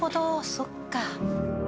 そっか。